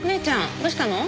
どうしたの？